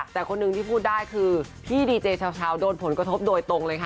แต่คนหนึ่งที่พูดได้คือพี่ดีเจชาวโดนผลกระทบโดยตรงเลยค่ะ